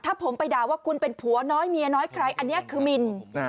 ถ้าผมไปด่าว่าคุณเป็นผัวน้อยเมียน้อยใครอันนี้คือมิน